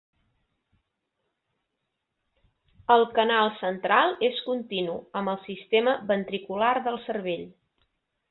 El canal central és continu amb el sistema ventricular del cervell.